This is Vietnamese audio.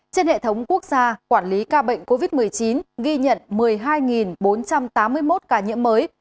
trên hệ thống quốc gia quản lý ca bệnh covid một mươi chín ghi nhận một mươi hai bốn trăm tám mươi một ca nhiễm mới